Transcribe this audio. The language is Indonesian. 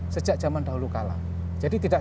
sejak zaman dahulu kalah jadi tidak